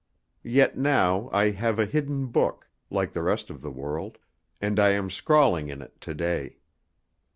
Yet now I have a hidden book, like the rest of the world, and I am scrawling in it to day.